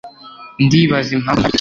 ndibaza impamvu ntabitekereje